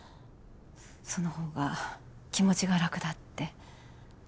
そのほうが気持ちが楽だって。